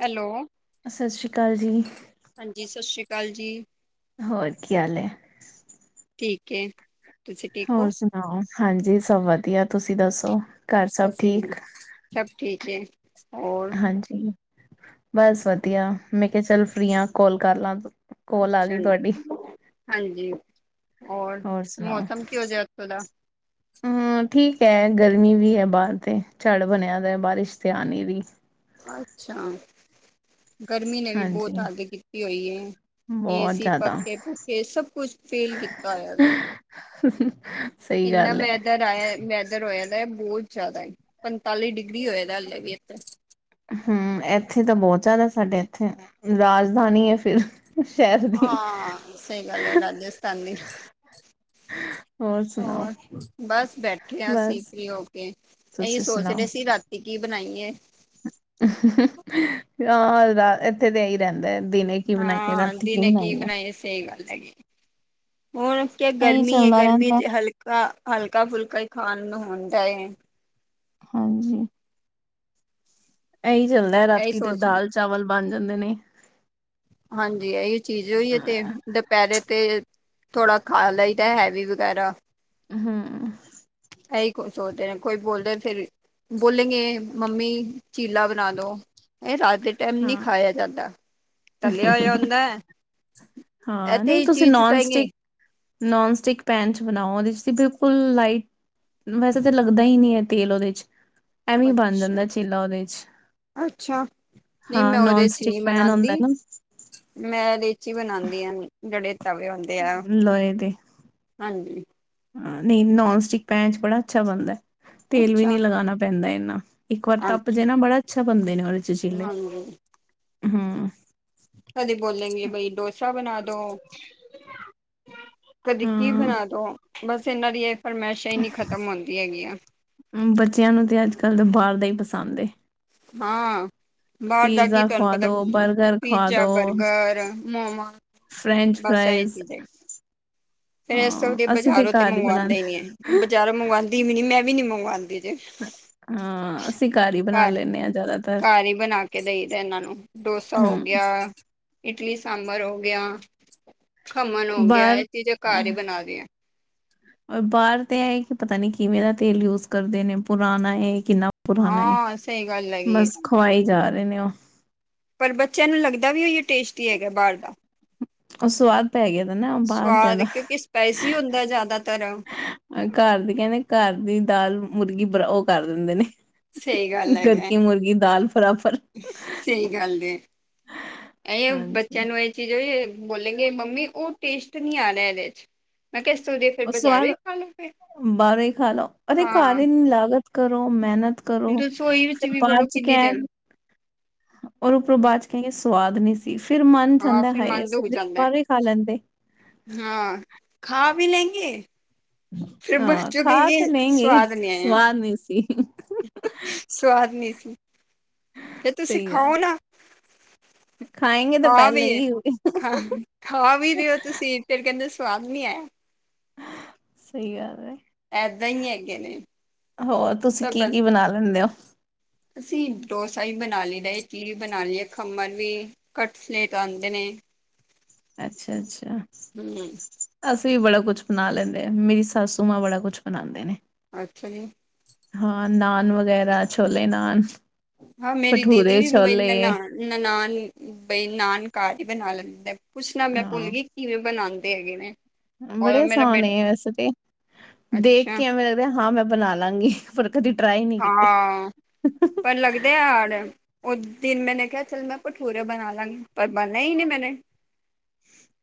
Hello ਸਤਿ ਸ੍ਰੀ ਅਕਾਲ ਜੀ ਹਾਂਜੀ ਸਤਿ ਸ਼੍ਰੀ ਅਕਾਲ ਜੀ ਹੋਰ ਕੀ ਹਾਲ ਹੈ ਠੀਕ ਤੁਸੀਂ ਠੀਕ ਹੋ ਹੋਰ ਸੁਣਾਓ ਹਾਂਜੀ ਸਭ ਵਧੀਆ ਤੁਸੀਂ ਦੱਸੋ ਘਰ ਸਭ ਅਸੀਂ ਠੀਕ? ਸਭ ਠੀਕ ਹੈ ਹੋਰ ਹਾਂਜੀ ਬਸ ਵਧੀਆ ਮੈਂ ਕਿਹਾ ਚੱਲ ਫ੍ਰਰੀ ਹ ਕੋਲ ਕਰ ਲਾਂ ਕੋਲ ਆ ਗਈ ਅੱਛਾ ਜੀ, ਤੁਹਾਡੀ ਹਾਂਜੀ ਹੋਰ ਮੌਸਮ ਕਿਹੋ ਜਿਹਾ ਉੱਥੋਂ ਦਾ ਹਮ ਠੀਕ ਹੈ। ਗਰਮੀ ਵੀ ਹੈ, ਬਾਹਰ ਤੇ ਝੜ ਬਣਿਆ ਦਾ ਬਾਰਿਸ਼ ਤੇ ਆਣੀ ਵੀ ਅੱਛਾ ਗਰਮੀ ਨੇ ਵੀ ਬਹੁਤ ਹਾਂਜੀ, ਹੱਦ ਕੀਤੀ ਹੋਈ ਹੈ। ਬਹੁਤ ਏ-ਸੀ, ਜ਼ਿਆਦਾ ਪੱਖੇ-ਭੁੱਖੇ ਸਭ ਕੁਛ ਫੇਲ ਕੀਤਾ ਹੋਇਆ ਏ [inaudible] ਇਨਾਂ ਗੱਲ ਹੈ। ਮੇਦਰ ਵੈਦਰ ਹੋਇਆ ਦਾ ਬਹੁਤ ਜ਼ਿਆਦਾ ਪੰਤਾਲੀ ਡਿਗਰੀ ਹੋਆ ਦਾ ਹਾਲੇ ਵੀ ਇੱਥੇ ਹਮ ਇੱਥੇ ਤਾਂ ਬਹੁਤ ਜ਼ਿਆਦਾ ਸਾਡੇ ਇੱਥੇ ਰਾਜਧਾਨੀ ਹੈ। ਫਿਰ ਸ਼ਹਿਰ ਦੀ, ਹਾਂ ਸਹੀ ਗੱਲ ਹੈ ਰਾਜਸਥਾਨ ਦੀ। ਹੋਰ ਬਸ ਬੈਠੇ ਆਸੀਂ ਬਸ ਫਰੀ ਹੋ ਕੇ ਇਸੀ ਤੁਸੀਂ ਸੋਚ ਰਹੇ ਸੀ ਰਾਤੀ ਕੀ ਬਣਾਈਏ, ਆਹ ਇਥੇ ਤੇ ਹੀ ਰਹਿੰਦਾ ਦਿਨੇ ਕੀ ਬਣਾਈ ਹੈ ਹਾਂ ਰਾਤੀ ਕੀ ਦਿਨੇ ਬਣਾਈ ਹੈ। ਬਣਾਈਏ ਸਹੀ ਗੱਲ ਹੈਗੀ ਹੁਣ ਕ ਇਹੀ ਗਰਮੀ ਹੈ ਚੱਲਦਾ ਗਰਮੀ ਰਹਿੰਦਾ ਚ ਹਲਕੇ ਹਲਕਾ ਫੁਲਕਾ ਹੀ ਖਾਣ ਨੂੰ ਹੁੰਦਾ ਹੈ ਹਾਂਜੀ ਇਹੀ ਚੱਲਦਾ ਇਹੀ ਰਾਤੀ ਦੇ ਸੋਚ ਦਾਲ ਚਾਵਲ ਬਣ ਜਾਂਦੇ ਨੇ ਹਾਂਜੀ ਇਹੀ ਚੀਜ਼ ਹੋਹੀ ਹੈ ਤੇ ਪਹਿਲੇ ਤੇ ਥੋੜਾ ਖਾ ਲਹੀਦਾ ਹੈਵੀ ਵਗੈਰਾ, ਹਮ ਇਹੀ ਸੋਚਦੇ ਨੇ ਕੋਈ ਬੋਲਦੇ ਫਿਰ ਬੋਲੇ ਗਏ ਮੰਮੀ ਚੀਲਾ ਬਣਾ ਦੋ ਇਹ ਰਾਜ ਤੇ ਟਾਈਮ ਨੀ ਹਾਂ ਖਾਇਆ ਜਾਂਦਾ ਤਲਿਆ ਹੋਇਆ ਹੁੰਦਾ, ਇਹ ਹਾਂ ਤੇ ਨਹੀਂ ਇਹ ਤੁਸੀਂ ਚੀਜ਼ ਨੋਨ ਕਹੇਗੇ ਸਟਿਕ ਨੋਨ ਸਟਿਕ ਪੈਨ ' ਬਣਾਓ ਉਹਦੇਂ ਬਿਲਕੁਲ ਲਾਈਟ ਵੈਸੇ ਤਾਂ ਲੱਗਦਾ ਹੀ ਨਹੀਂ ਹੈ। ਤੇਲ ਉਹਦੇ ਚ ਐਵੇਂ ਬਣ ਅੱਛਾ ਜਾਂਦਾ ਚੇਲਾ ਉਹਦੇ ਚ ਅੱਛਾ ਨਹੀਂ ਹਾਂ ਮੈਂ ਨੋਨ ਉਹਦੇ ਚ ਸਟਿਕ ਨਹੀਂ ਪੈਨ ਹੁੰਦਾ ਬਣਾਉਂਦੀ। ਨਾ ਮੈਂ ਲੇਚੀ ਬਣਾਉਂਦੀ ਹਾਂ ਜਿਹੜੇ ਤਵੇ ਹੁੰਦੇ ਆ ਲਏ ਤੇ ਹਾਂਜੀ ਹ ਨਹੀਂ ਨੋਨ ਸਟਿਕ ਪੈਚ ਬੜਾ ਅੱਛਾ ਬਣਦਾ ਤੇਲ ਵੀ ਨਹੀਂੀ ਅੱਛਾ। ਲਗਾਣਾ ਪੈਂਦਾ ਇਨਾ ਇੱਕ ਵਾਰ ਤਪ ਜੇ ਹਾਂਜੀ ਨਾ ਬੜਾ ਅੱਛਾ ਬੰਦੇ ਨੇ ਉਹਦੇ ਚਚੀਲੇ ਹਾਂਜੀ, ਹਮ ਅ ਬੋਲੈਂਗੇ ਬਾਈ ਡੋਸਾ ਬਣਾ ਦੋ ਕਦੇ ਕੀ ਹਾਂ ਬਣਾ ਦੋ ਬਸ ਇਹਨਾਂ ਦੀ ਇਹ ਫਰਮਾਇਸ਼ਾਂ ਹੀ ਨਹੀਂ ਖ਼ਤਮ ਹੁੰਦੀ ਹੈਗੀੀਆਂ ਬੱਚਿਆਂ ਨੂੰ ਤੇ ਅੱਜ ਕੱਲ ਦੇ ਬਾਹਰ ਦਾ ਹੀ ਪਸੰਦ ਹਾਂ ਬਾਹਰ ਦਾ ਕੀ ਪੀਜ਼ਾ ਤੁਹਾਨੂੰ ਖਵਾ ਪਤਾ ਦੋ ਬਰਗਰ ਖਵਾ ਪੀਜ਼ਾ ਦੋ ਬਰਗਰ ਮੋਮੋ ਫਰੈਂਚ ਬਸ ਇਹਹੀ ਫਰਾਈਜ਼ ਚੀਜ਼ ਹੈ ਫੇਿਰ ਇਸ ਹਾਂ ਅਸੀਂ ਬਾਜ਼ਾਰੋਂ ਤੇ ਘਰ ਮੰਗਵਾਉਂਦਾ ਹੀ ਬਣਾਦੇ ਨੀ ਹੈ ਬਜ਼ਾਰੋਂ ਮੰਗਵਾਉਂਦੀ ਵੀ ਨੀ ਮੈਂ ਵੀ ਨੀ ਮੰਗਵਾਉਂਦੀਜੇ ਹਾਂ ਅਸੀਂ ਘਰ ਹਾਰੀ ਬਣਾ ਲੈਂਦੇ ਹਾਂ ਜ਼ਿਆਦਾਤਰ ਘਾਰੀ ਬਣਾ ਕੇ ਦੇਈ ਦਾ ਇਹਨਾਂ ਨੂੰ ਡੋਸਾ ਹੋ ਹੂੰ ਗਿਆ ਇਡਲੀ ਸਾਂਬਰ ਹੋ ਗਿਆ ਖਮਣ ਹੋ ਗਿਆ ਬਾਹਰ ਇਹ ਚੀਜ਼ਾਂ ਘਰ ਹੀ ਬਣਾ ਦੇਆਂ ਬਾਹਰ ਤਾਂ ਇਹ ਕਿ ਪਤਾ ਨੀ ਕਿਵੇਂ ਦਾ ਤੇਲ ਯੂਜ ਕਰਦੇ ਨੇ ਪੁਰਾਣਾ ਹੈ ਕਿੰਨਾ ਪੁਰਾਣਾ ਏ ਹਾਂ ਸਹੀ ਗੱਲ ਹੈਗੀ ਏ ਬਸ ਖਵਾਈ ਜਾ ਰਹੇ ਨੇ ਉਹ ਪਰ ਬੱਚਿਆਂ ਨੂੰ ਲੱਗਦਾ ਵੀ ਉਹੀ ਟੇਸਟੀ ਹੈਗਾ ਬਾਹਰ ਦਾ ਉਹ ਸਵਾਦ ਪੈ ਗਿਆ ਤਾਂ ਨਾ ਬਾਹਰਦਿਆਂ ਦਾ ਪੈਸੀ ਹੀ ਹੁੰਦਾ ਜ਼ਿਆਦਾਤਰ ਘਰ ਦੀ ਕਹਿੰਦੇ ਘਰ ਦੀ ਦਾਲ ਮੁਰਗੀ ਬ ਉਹ ਕਰ ਦਿੰਦੇ ਨੇ ਸਹੀ ਗੱਲ ਘਰ ਹੈਗਾ ਕੀ ਮੁਰਗੀ ਦਾਲ ਬਰਾਬਰ ਸਹੀ ਗੱਲ ਹੈ ਇਹ ਬੱਚਿਆਂ ਹਾਂਜੀ ਨੂੰ ਇਹ ਚੀਜ਼ ਬੋਲ ਗ ਮੰਮੀ ਉਹ ਟੇਸਟ ਨਹੀਂੀ ਆ ਰਿਹਾ ਇਹਦੇ ਚ ਮੈਂ ਕਿਹਾ ਦੇ ਸਵਾਦ ਬਾਹਾਰੇ ਹੀ ਖਾ ਲਓ ਅਰੇ ਹਾਂ ਕਾਰੀ ਲਾਗਤ ਕਰੋ ਮਿਹਨਤ ਕਰੋ ਰਸੋਈ ਵਿੱਚ ਫਿਰ ਵੀ ਬਾਅਦ ਬੋਲੋ ਚ ਕਿੰਨੀ ਦੇਰ ਕਹਿਣ ਔਰ ਉਪਰੋਂ ਬਾਅਦ ਚ ਕਹਿੰਦੇ ਸਵਾਦ ਨੀ ਸੀ ਫਿਰ ਮਨ ਹਾਂ ਜਾਂਦਾ ਹੈ ਫਿਰ ਹਾਈ ਮਨ ਅਸੀ ਦੁੱਖ ਜਾਂਦਾ ਬਾਹਰ ਹੀ ਖਾ ਲੈਂਦੇ ਹਾਂ ਖਾ ਵੀ ਲੈਂਗੇ ਫਿਰ ਬਸ ਹਾਂ ਚੋਂ ਖਾ ਕਹਿੰਗੇ ਤੇ ਲੈਂਗੇ ਹੀ ਸਵਾਦ ਨ ਆਇਆ ਸਵਾਦ ਨਹੀਂ ਸੀ ਸਵਾਦ ਨਹੀਂੀ ਸੀ ਫੇ ਤੁਸੀਂ ਸਹੀ ਗੱਲ ਖਾਓ ਨਾ ਖਾਏਂਗੇ ਤਾਂ ਖਾ ਪਹਿਲੇ ਵੀ ਹੀ ਖਾ ਖਾ ਵੀ ਰਓ ਤੁਸੀਂ ਤੇਰੇ ਕਹਿੰਦੇ ਸਵਾਦ ਨਹੀਂ ਆਇਆ ਸਹੀ ਗੱਲ ਏਦਾਂ ਹੀ ਹੈਗੇ ਨੇ। ਹੋਰ ਤੁਸੀਂ ਤਾਂ ਕੀ ਬਸ -ਕੀ ਬਣਾ ਲੈਂਦੇ ਹੋ? ਅਸੀਂ ਡੋਸਾ ਹੀ ਬਣਾ ਲਈ ਦਾ, ਚਲੀਜ਼ ਬਣਾ ਲਈਏ, ਖੰਮਣ ਵੀ, ਕਟਲੇਟਸ ਆਉਂਦੇ ਨੇ। ਅੱਛਾ, ਅੱਛਾ। ਹਮ ਅਸੀਂ ਵੀ ਬੜਾ ਕੁਛ ਬਣਾ ਲੈਂਦੇ ਆਾਂ ਮੇਰੀ ਸੱਸੂ ਮਾਂ ਬੜਾ ਕੁਛ ਬਣਾਉਂਦੇ ਨੇ ਅੱਛਾ ਜੀ ਹਾਂ ਨਾਨ ਵਗੈਰਾ ਛੋਲੇ ਨਾਨ ਹਾਂ ਮੇਰੀ ਭਠੂਰੇ ਦੀਦੀ ਬਈ ਛੋਲੇ ਨਨਾਨ ਨਾਨ ਬਈ ਨਾਨ ਘਰ ਹੀ ਬਣਾ ਲੈਂਦੇ ਪੁੱਛਣਾ ਮੈਂ ਭੁੱਲ ਹਾਂ ਗਈ ਕਿਵੇਂ ਬਣਾਉਂਦੇ ਹੈਗੇ ਨੇ ਔਰ ਬੜੇ ਮੇਰਾ ਆਸਾਹਣੇ ਨੇ ਬੇਟਾ ਵੈਸੇ ਤੇ ਦੇਖ ਅੱਛਾ ਕੇ ਐਵੇਂ ਲੱਗਦਾ ਹਾਂ ਮੈਂ ਬਣਾ ਲਾਂਗੀ ਫਿਰ ਕਦੀ ਟਰਾਈ ਨਹੀਂੀ ਕੀਤੇ ਦਿਹਾੜ ਉਹ ਦਿਨ ਮੈਨੇ ਕਿਹਾ ਚੱਲ ਮੈਂ ਭਠੂਰੇ ਬਣਾ ਲਾਂਗੀ ਪਰ ਬਣਿਆ ਹੀ ਨਹੀਂ ਮੈਨੇ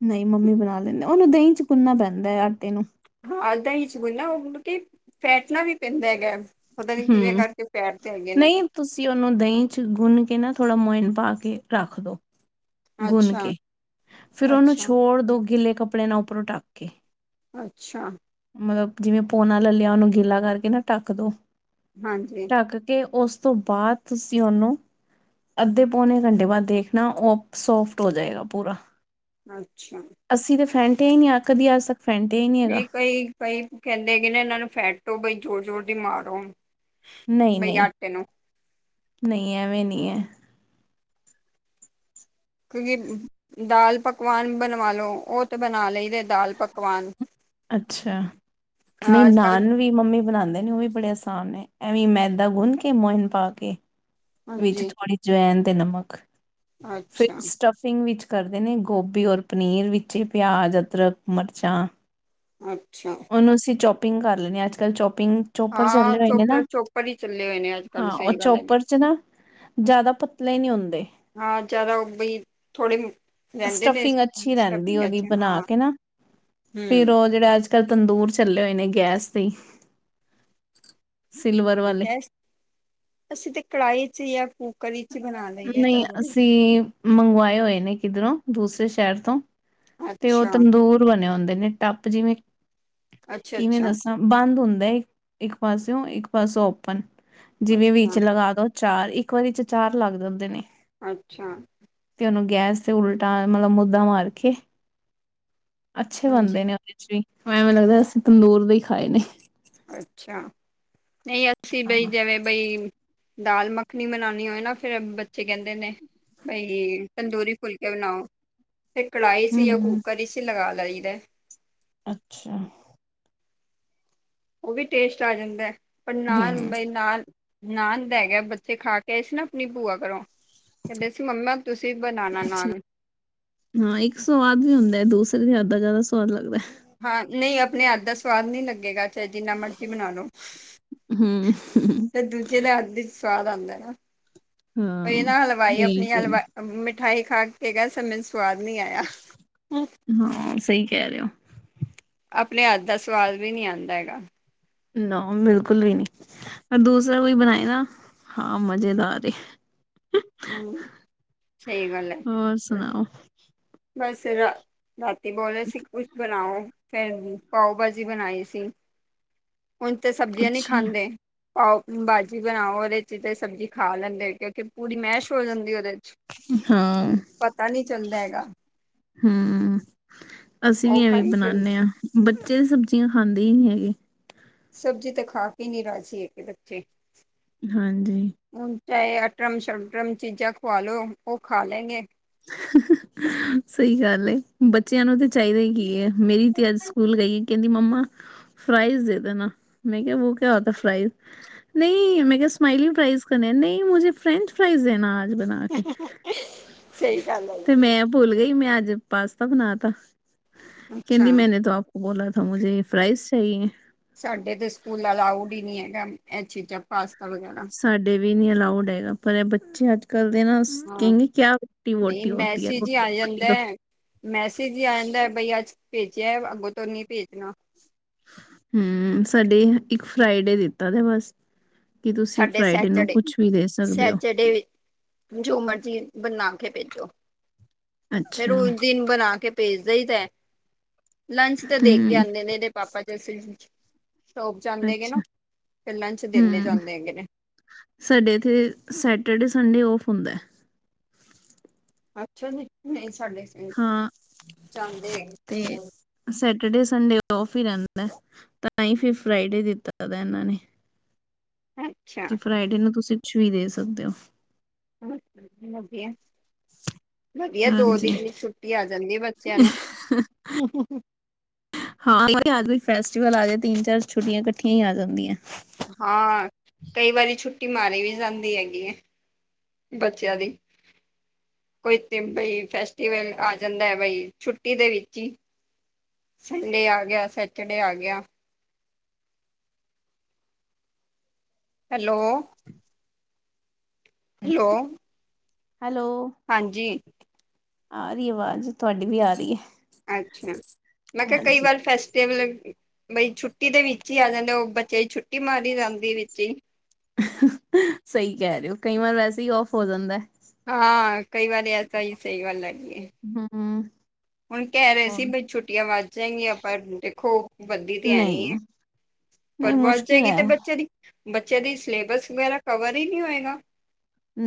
ਨਹੀਂ ਮੰਮੀ ਬਣਾ ਲੈਂਦੇ ਉਹਨੂੰ ਦਹੀਂ ਚ ਭੁੰਨਣਾ ਪੈਂਦਾ ਹੈ ਆਟੇ ਨੂੰ ਹਾਂ ਅੱਧਾ ਹੀ ਚ ਗੁਣਾ ਉਹਤਲ ਫੈਟਣਾ ਵੀ ਪੈਂਦਾ ਹੈਗਾ ਪਤਾ ਨੀ ਕਿਵੇਂ ਹਮ ਕਰਕੇ ਫੈਟਦੇ ਹੈਗੇ ਨੇ ਨਹੀਂ ਤੁਸੀਂ ਉਹਨੂੰ ਦਹੀਂ ਚ ਗੁੰਨ ਕੇ ਨਾ ਥੋੜ੍ਹਾ ਮੋਇਨ ਪਾ ਕੇ ਰੱਖ ਦੋ। ਗੁੰਨ ਅੱਛਾ ਕੇ, ਫਿਰ ਉਹਨੂੰ ਅੱਛਾ ਛੋੜ ਦੋ ਗਿੱਲੇ ਕੱਪੜੇ ਨਾਲ ਉੱਪਰੋਂ ਢੱਕ ਕੇ ਅੱਛਾ ਮਤਲਬ ਜਿਵੇਂ ਪੋਨਾ ਲੈ ਲਿਆ ਉਹਨੂੰ ਗਿੱਲਾ ਕਰਕੇ ਨਾ ਢੱਕ ਦੋ। ਹਾਂਜੀ ਢੱਕ ਕੇ ਉਸ ਤੋਂ ਬਾਅਦ ਤੁਸੀਂ ਉਹਨੂੰ ਅੱਧੇ ਪੌਨੇ ਘੰਟੇ ਬਾਅਦ ਦੇਖਣਾ ਉਹ ਸੋਫਟ ਹੋ ਜਾਏਗਾ ਪੂਰਾ ਅੱਛਾ ਅਸੀਂ ਤਾਂ ਫੈਂਟਿਆ ਹੀ ਨਹੀਂ ਆ ਕਦੀ ਆ ਸਕ ਫੈਂਟਟੀਨ ਨਹੀਂ ਕਈ- ਕਈ ਕਹਿੰਦੇਗੇ ਨਾ ਇਹਨਾਂ ਨੂੰ ਫੈਟੋ ਬਈ ਜ਼ੋਰ- ਜ਼ੋਰ ਦੀ ਮਾਰੋ ਨਹੀਂ ਬਈ -ਨਹੀਂ, ਆਟੇ ਨੂੰ ਨਹੀਂ ਐਵੇਂ ਨਹੀ ਹੈ ਕਿਉਂਕਿ ਦਾਲ ਪਕਵਾਨ ਬਣਵਾ ਲਉ ਉਹ ਤਾਂ ਬਣਾ ਲਈ ਦੇ ਦਾਲ ਪਕਵਾਨ ਅੱਛਾ, ਨਹੀਂ ਅੱਜ ਕੱਲ ਨਾਨ ਵੀ ਮੰਮੀ ਬਣਾਉਂਦੇ ਨੇ ਉਹ ਵੀ। ਬੜੇ ਆਸਾਨ ਨੇ, ਐਵੇਂ ਮੈਦਾ ਗੁੰਨ ਕੇ ਮੋਇਨ ਪਾ ਕੇ ਵਿੱਚ ਹਾਂਜੀ ਥੋੜੀ ਅਜਵੈਨ ਤੇ ਨਮਕ ਫ ਅੱਛਾ ਸਟ ਸਟਿੰਗ ਵਿੱਚ ਕਰਦੇ ਨੇ ਗੋਭੀ ਔਰ ਪਨੀਰ ਵਿੱਚ ਪਿਆਜ਼, ਅਦਰਕ, ਮਿਰਚਾਂ। ਅੱਛਾ ਉਹਨੂੰ ਅਸੀਂ ਚੋਪਿੰਗ ਕਰ ਲੈਂ ਹਾਂ ਅੱਜ- ਕੱਲ੍ਹ ਚੋਪਿੰਗ ਚੋਪਰ ਹਾਂ ਚੱਲੇ ਹੋਏ ਨੇ ਚੋਪ ਨਾ ਚੋਪਰ ਹੀ ਚੱਲੇ ਹੋਏ ਨੇ ਅੱਜ ਕੱਲ ਹਾਂ ਉਹ ਸਹੀ ਗੱਲ ਹੈਗੀ ਚੋਪਰ 'ਚ ਨਾ ਜ਼ਿਆਦਾ ਪਤਲੇ ਨਹੀਂ ਹੁੰਦੇ ਹਾਂ ਜ਼ਿਆਦਾ ਬਈ ਥੋੜੇ ਰਹਿੰਦੇ ਨੇ ਸਟਫਿੰਗ ਅੱਛੀ ਰਹਿੰਦੀ ਉਹਦੀ ਬਣਾ ਹਾਂ ਕੇ ਨਾ ਫਿਰ ਹਮ ਉਹ ਜਿਹੜੇ ਅੱਜ ਕੱਲ੍ਹ ਤੰਦੂਰ ਚੱਲੇ ਹੋਏ ਨੇ ਗੈਸ ਦੀ ਵਾਲੇ ਗੈਸ, ਅਸੀਂ ਤੇ ਕੜਾਹੀ ਚ ਜਾਂ ਕੂਕਰ ਚ ਨਹੀਂ ਅਸੀਂ ਮੰਗਵਾਏ ਹੋਏ ਨੇ ਕਿੱਧਰੋਂ ਦੂਸਰੇ ਸ਼ਹਿਰ ਤੋਂ ਤੇ ਉਹ ਅੱਛਾ ਤੰਦੂਰ ਬਣੇ ਹੁੰਦੇ ਨੇ ਟੱਪ ਜਿਵੇਂ, ਅੱਛਾ ਕਿਵੇਂ ਅੱਛਾ ਦੱਸ ਬੰਦ ਹੁੰਦਾ ਇੱਕ, ਇੱਕ ਪਾਸਿਓ ਇੱਕ ਪਾਸਿਓ ਓਪਨ ਜਿਵੇਂ ਵਿੱਚ ਅੱਛਾ ਲਗਾ ਦੋ ਚਾਰ ਇੱਕ ਵਾਰੀ ਚ ਚਾਰ ਲੱਗ ਜਾਂਦੇ ਨੇ ਅੱਛਾ। ਤੇ ਉਹਨੂੰ ਗੈਸ ਤੇ ਉਲਟਾ ਮਤਲਬ ਮੁੱਦਾ ਮਾਰ ਕੇ ਅੱਛੇ ਬਣਦੇ ਹਾਂਜੀ ਨੇ ਉਹਦੇ ਚ ਵੀ ਐਵੇਂ ਲੱਗਦਾ ਅਸੀਂ ਤੰਦੂਰ ਦੇ ਖਾਏ ਨੇ। ਅੱਛਾ, ਨਹੀਂ ਅਸੀਂ ਬਈ ਹਾਂ ਜਵੇ ਬਈ, ਦਾਲ ਮੱਖਣੀ ਬਣਾਉਣੀ ਹੋਵੇ ਨਾ ਫਿਰ ਬੱਚੇ ਕਹਿੰਦੇ ਨੇ ਬਈ ਤੰਦੂਰੀ ਫੁਲਕੇ ਬਣਾਓ, ਫਿਰ ਕੜਾਹੀ ਚ ਜਾਂ ਹਮ ਕੂਕਰ ਚ ਲਗਾ ਲਈਦਾ ਅੱਛਾ ਉਹ ਵੀ ਟੇਸਟ ਆ ਜਾਂਦਾ ਹੈ, ਪਰ ਨਾਲ ਹਮ ਬਈ ਨਾਲ ਨਦ ਹੈ ਗਿਆ ਬੱਚੇ ਖਾ ਕੇ ਆਏ ਸੀ, ਨਾ ਆਪਣੀ ਭੂਆ ਘਰੋ। ਕਹਿੰਦੇ ਸੀ, ਮੰਮਾ ਤੁਸੀਂ ਬਣਾਉਣਾ ਨਾਨ ਹਾਂ ਇੱਕ ਸੁਵਾਦ ਵੀ ਹੁੰਦਾ, ਦੂਸਰੇ ਦੇ ਹੱਥ ਦਾ ਜਿਆਦਾ ਸੁਵਾਦ ਲੱਗਦਾ। ਹਾਂ ਨਹੀਂ ਆਪਣੇ ਹੱਥ ਦਾ ਸਵਾਦ ਨਹੀਂ ਲੱਗੇਗਾ ਚਾਹੇ ਜਿੰਨਾ ਮਰਜ਼ੀ ਬਣਾ ਲੋ, ਹਮ ਤੇ ਦੂਜੇ ਜਿਹਦਾ ਹੱਥ ਚ ਸਵਾਦ ਆਉਂਦਾ ਨਾ, ਕਈ ਹਾਂ ਨਾ ਹਲਵਾਈ ਇਹ ਆਪਣੀ ਤੇ ਹੈ। ਹਲਵਾ ਮਿਠਾਈ ਖਾ ਕੇ ਗੈਸ ਸਵਾਦ ਨੀ ਆਇਆ ਹਾਂ ਸਹੀ ਕਹਿ ਰਹੇ ਹੋ ਆਪਣੇ ਹੱਥ ਦਾ ਸਵਾਦ ਵੀ ਨਹੀ ਆਉਂਦਾ ਹੈਗਾ ਨਾ, ਬਿਲਕੁਲ ਵੀ ਨੀ ਦੂਸਰਾ ਕੋਈ ਬਣਾਏ ਨਾ, ਹਾਂ ਮਜ਼ੇਦਾਰ ਹਮ ਸਹੀ ਗੱਲ ਹੋਰ ਸੁਣਾਓ ਬਸ ਰਾਤੀ ਬੋਲੇ ਸੀ ਕੁਛ ਬਣਾਓ ਫੇਰ ਜ ਪਾਓ ਭਾਜੀ ਬਣਾਈ ਸੀ, ਹੁਣ ਤੇ ਸਬਜ਼ੀਆਂ ਕੁਛ ਨਹੀਂ ਖਾਂਦੇ। ਆਓ ਬਾਜੀ ਬਣਾਓ, ਉਹਦੇ ਚ ਤੇ ਸਬਜ਼ੀ ਖਾ ਲੈਂਦੇ ਕਿਉਂਕਿ ਪੂਰੀ ਮਹਿਸ਼ ਹੋ ਜਾਂਦੀ ਉਹਦੇ ਚ ਹਾਂ ਪਤਾ ਨਹੀਂ ਚੱਲਦਾ ਹੈਗਾ ਹੂੰ, ਅਸੀਂ ਵੀ ਉਹ ਐਵੇਂ ਖਾਈ ਫਿਰ ਬਣਾਉਦੇ, ਹਾਂ ਬੱਚੇ ਸਬਜ਼ੀਆਂ ਖਾਂਦੇ ਹੀ ਨਹੀਂ ਹੈਗੇ। ਸਬਜ਼ੀ ਤਾਂ ਖਾ ਕੇ ਨੀ ਰਾਜ਼ੀ ਹੈ ਬੱਚੇ, ਹਾਂਜੀ ਹੁਣ ਚਾਹੇ ਅਟਰਮ ਸ਼ਟਰਮ ਚੀਜ਼ਾਂ ਖਵਾ ਲੋ ਉਹ ਖਾ ਲੈਗੇ। ਸਹੀ ਗੱਲ ਬੱਚਿਆਂ ਨੂੰ ਤੇ ਚਾਹੀਦਾ ਹੀ ਕੀ ਹੈ। ਮੇਰੀ ਤੇ ਅੱਜ ਸਕੂਲ ਗਈ। ਕਹਿੰਦੀ ਮੰਮਾ ਫਰਾਈਜ਼ ਦੇ ਦੇਣਾ, ਮੈਂ ਕਿਹਾ ਬੋ ਕਿਆ ਹੋਤਾ ਫਰਾਈਜ਼, ਨਹੀਂ ਮੈਂ ਕਿਹਾ ਸਮਾਈਲਿੰਗ ਪ੍ਰਾਈਜ਼ ਕਰਨਾ, ਨਹੀਂ ਮੁਝੇ ਫਰੇੈਂਚ ਪ੍ਰਰਾਈਜ਼ ਦੇਣਾ ਆਜ ਬਣਾ ਕੇ, ਸਹੀ ਗੱਲ ਆ। ਤੇ ਮੈਂ ਭੁੱਲ ਗਈ, ਮੈਂ ਅੱਜ ਪਾਸਤਾ ਬਣਾ ਤਾ ਏ। ਕਹਿੰਦੀ ਅੱਛਾ ਮੈਨੇ ਤੋ ਆਪ, ਉਹ ਬੋਲਾ ਦਾ ਮੁਝੇ ਫਰਾਈਜ਼ ਚਾਹੀਏ। ਸਾਡੇ ਤੇ ਸਕੂਲ ਅਲਾਊਡ ਹੀ ਨਹੀਂ ਹੈਗਾ, ਇਹ ਚੀਜ਼ਾਂ ਪਾਸਤਾ ਵਗੈਰਾ। ਸਾਡੇ ਵੀ ਨਹੀਂ ਅਲਾਊਡ ਹੈਗਾ, ਪਰ ਇਹ ਬੱਚੇ ਅੱਜ-ਕੱਲ੍ਹ ਦੇ ਨਾ, ਹਾਂ ਕਹਿੰਦੀ ਕਿਆ ਰੋਟੀ ਨਹੀਂ ਵੋਟੀ ਹੋਤੀ ਹੈ ਮੈਸੇਜ ਹੀ ਰੋਟੀ ਆ ਵੋਟੀ, ਜਾਂਦਾ ਹੈ। ਮੈਸੇਜ ਹੀ ਆ ਜਾਂਦਾ ਬਈ ਅੱਜ ਭੇਜਿਆ ਅੱਗੋਂ ਤੋਂ ਨੀ ਭੇਜਣਾ। ਹੂੰ, ਸਾਡੇ ਇੱਕ ਫਰਾਈਡੇ ਦਿੱਤਾ ਸੀ ਬਸ ਕੀ ਤੁਸੀਂ ਸਾਡੇ ਫਰਾਈਡੇ ਨੂੰ ਸੈਚਰਡੇ ਕੁਛ ਵੀ ਦੇ ਸਕਦੇ ਹੋ। ਸੈਚਰਡੇ ਜੋ ਮਰਜ਼ੀ ਬਣਾ ਕੇ ਭੇਜੋ, ਫੇਰ ਅੱਛਾ ਉਸ ਦਿਨ ਬਣਾ ਕੇ। ਭੇਜਦਾ ਹੀ ਤਾਂ ਲੰਚ ਤੇ ਦੇਖ ਕੇ ਹੂੰ ਆਉਂਦੇ ਨੇ, ਇਹਦੇ ਪਾਪਾ ਜੀ। ਸ਼ੋਪ ਜਾਂਦੇ ਨੇ ਨਾ ਅੱਛਾ ਫਿਰ ਲੰਚ ਦਿੰਦੇ। ਹੂੰ ਜਾਂਦੇ ਹੈਗੇ ਨੇ ਸਾਡੇ ਇੱਥੇ ਸੈਟਰਡੇ ਸੰਡੇ ਔਫ ਹੁੰਦਾ। ਅੱਛਾ ਜੀ ਨਹੀਂ ਸਾਡੇ, ਹਾਂ ਜਾਂਦੇ ਤੇ, ਹੈਗੇ ਸੈਟਰਡੇ ਸੰਡੇ ਉਫ ਹੀ ਰਹਿੰਦਾ, ਤਾਂ ਹੀ ਫਿਰ ਫਰਾਈਡੇ ਦਿੱਤਾ ਦਾ ਇਹਨਾਂ ਨੇ [unintelligible] ਕਿ ਫਰਾਈਡੇ ਨੂੰ ਤੁਸੀਂ ਕੁਛ ਵੀ ਦੇ ਸਕਦੇ ਹੋ। [unintelligible] ਵਧੀਆ ਦੋ ਹਾਂਜੀ ਦਿਨ ਦੀ ਛੁੱਟੀ ਆ ਜਾਂਦੀ ਹੈ, ਬੱਚਿਆਂ ਨੂੰ ਹਾਂ ਫੈਸਟੀਵਲ ਆ ਜਾਏ, ਤਿੰਨ ਚਾਰ ਛੁੱਟੀਆਂ ਇਕੱਠੀਆਂ ਹੀ ਆ ਜਾਂਦੀਆਂ। ਹਾਂ ਕਈ ਵਾਰੀ ਛੁੱਟੀ ਮਾਰੀ ਵੀ ਜਾਂਦੀ ਵੀ ਹੈਗੀ ਹੈ। ਬੱਚਿਆਂ ਦੀ, ਕੋਈ ਬਈ ਫੈਸਟੀਵਲ ਆ ਜਾਂਦਾ ਹੈ, ਬਈ ਛੁੱਟੀ ਦੇ ਵਿੱਚ ਹੀ। ਸੰਡੇ ਆ ਗਿਆ ਸੈਚਰਡੇ ਆ ਗਿਆ। ਹੈਲੋ। ਹੈਲੋ। ਹੈਲੋ। ਹਾਂਜੀ। ਆ ਰਹੀ ਆਵਾਜ਼ ਤੁਹਾਡੀ ਵੀ ਆ ਰਹੀ ਹੈ। ਅੱਛਾ ਮੈਂ ਕਿਹਾ, ਕਈ ਹਾਂਜੀ ਵਾਰ ਫੈਸਟੀਵਲ ਬਈ ਛੁੱ ਛੁਟੀ ਦੇ ਵਿੱਚ ਹੀ ਆ ਜਾਂਦੇ, ਉਹ ਬੱਚੇ ਛੁੱਟੀ ਮਾਰੀ ਜਾਂਦੀ ਵਿੱਚ ਹੀ, ਸਹੀ ਕਹਿ ਰਹੇ ਹੋ, ਕਈ ਵਾਰ ਵੈਸੇ ਹੀ ਔਫ ਹੋ ਜਾਂਦਾ। ਹਾਂ ਕਈ ਵਾਰੀ ਐਸਾ ਹੀ ਸਹੀ ਗੱਲ ਹੈਗੀ। ਹੂੰ, ਹੁਣ ਕਹਿ ਰਹੇ ਸੀ ਬਈ ਛੁੱਟੀਆਂ ਵੱਧ ਜਾਏਗੀਆਂ, ਪਰਾਂ ਦੇਖੋ ਬੱਦੀ ਤੇ ਐ ਨੀ ਨਹੀਂ ਹੈ। ਨਹੀਂ ਪਰ ਵੱਲ ਮੁਸ਼ਕਿਲ ਜਾਏਗੀ, ਹੈ ਤੇ ਬੱਚਿਆਂ ਦੀ ਬੱਚਿਆਂ ਦੀ ਸਿਲੇਬਸ ਵਗੈਰਾ ਕਵਰ ਹੀ ਨਹੀਂ ਹੋਏਗਾ।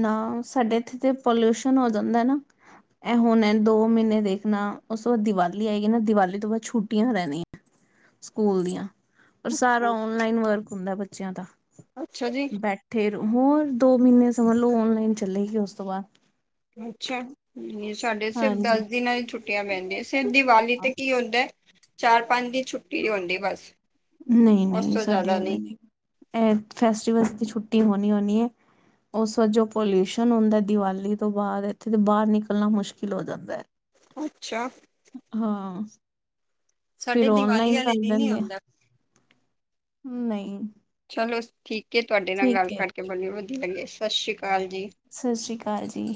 ਨਾ ਸਾਡੇ ਇੱਥੇ ਤੇ ਪੋਲਿਊਸ਼ਨ ਹੋ ਜਾਂਦਾ ਨਾ, ਇਹ ਹੁਣ ਐ ਦੋ ਮਹੀਨੇ ਦੇਖਣਾ, ਉਸ ਤੋਂ ਬਾਅਦ ਦੀਵਾਲੀ ਆਏਗੀ, ਨਾ ਦੀਵਾਲੀ ਤੋਂ ਬਾਅਦ ਛੁੱਟੀਆਂ ਰਹਿਣੀਆਂ। ਸਕੂਲ ਦੀਆਂ ਪਰ, ਸਾਰਾ ਅੱਛਾ ਔਨਲਾਈਨ ਵਰਕ ਹੁੰਦਾ ਬੱਚਿਆਂ ਦਾ ਅੱਛਾ ਜੀ ਬੈਠ ਫੇਰ ਹੋਰ ਦੋ ਮਹੀਨੇ ਸਮਝ ਲਓ ਔਨਲਾਈਨ ਚੱਲੇਗੀ ਉਸ ਤੋਂ ਬਾਅਦ। ਅੱਛਾ ਜ ਸਾਡੇ ਸਿਰਫ ਹਾਂਜੀ ਦਸ ਦਿਨਾਂ ਹੀ ਛੁੱਟੀਆਂ ਪੈਂਦੀਆਂ ਸਿਰਫ ਦੀਵਾਲੀ ਤੇ ਕੀ ਹੁੰਦਾ। ਚਾਰ ਪੰਜ ਦਿਨ ਛੁੱਟੀ ਹੁੰਦੀ ਬਸ। ਨਹੀਂ ਉਸ ਨਹੀਂ ਤੋਂ ਸਾਡੇ ਜ਼ਿਆਦਾ ਏਵੇਂ ਨਹੀਂ ਫੈਸਦੀਵਲ ਦੀ ਛੁੱਟੀ ਹੋਣੀ ਹੋਣੀ ਹੈ। ਉਸ ਵਜੋਂ ਪੋਲਿਊਸ਼ਨ ਹੁੰਦਾ ਦੀਵਾਲੀ ਤੋਂ ਬਾਅਦ ਇੱਥੇ ਦੇ ਬਾਹਰ ਨਿਕਲਣਾ ਮੁਸ਼ਕਿਲ ਹੋ ਜਾਂਦਾ ਹੈ। ਅੱਛਾ। ਹਾਂ, ਫਿਰ ਸਾਡੇ ਦੀਵਾਲੀ ਓਨਲਾਈਨ ਵਾਲੇ ਕਰ ਦਿਨ ਹੀ ਦੈਂਦੇ ਆ। ਹੁੰਦਾ ਹਮ ਨਹੀਂ। ਚਲੋ ਠੀਕ ਹੈ ਤੁਹਾਡੇ ਨਾਲ ਗੱਲ ਠੀਕ ਹੈ ਕਰਕੇ ਬੜਾ ਵਧੀਆ ਲੱਗਿਆ ਸਤਿ ਸ਼੍ਰੀ ਅਕਾਲ ਜੀ। ਸਤਿ ਸ਼੍ਰੀ ਅਕਾਲ ਜੀ।